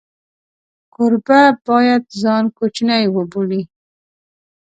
کوربه باید ځان کوچنی وبولي.